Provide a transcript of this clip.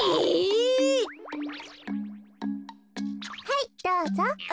はいどうぞ。